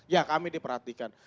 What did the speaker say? ya kami diperhatikan